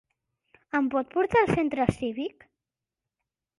Em pot portar al centre cívic?